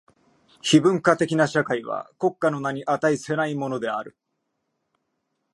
非文化的な社会は国家の名に価せないものである。